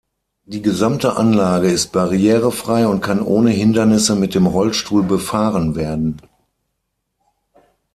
Die gesamte Anlage ist barrierefrei und kann ohne Hindernisse mit dem Rollstuhl befahren werden.